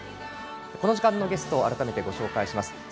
この時間のゲストを改めて、ご紹介します。